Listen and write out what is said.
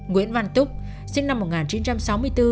nguyễn văn túc sinh năm một nghìn chín trăm sáu mươi bốn